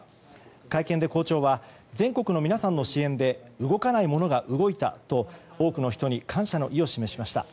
会見で校長は全国の皆さんの支援で動かないものが動いたと多くの人に感謝の意を示しました。